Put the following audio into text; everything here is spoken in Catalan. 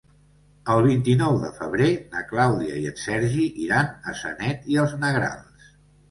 El vint-i-nou de febrer na Clàudia i en Sergi iran a Sanet i els Negrals.